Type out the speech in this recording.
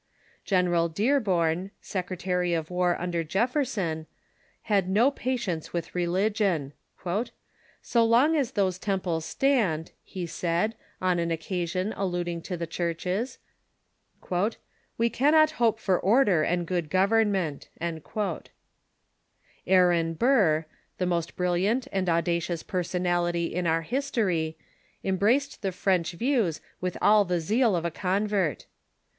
General Dearborn, Secretary of War under Jefferson, had no patience with religion. " So long as those temples stand," he said, on an occasion, alluding to the churches, " we cannot hope for order and good government." Aaron Burr, the most brilliant and audacious personality in our history, embraced the French views with all the zeal of a convert.